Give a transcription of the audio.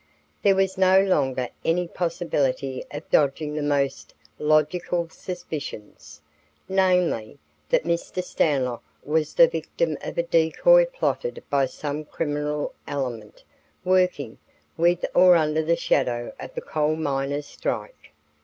There was no longer any possibility of dodging the most logical suspicions, namely, that Mr. Stanlock was the victim of a decoy plotted by some criminal element working with or under the shadow of the coal miners' strike.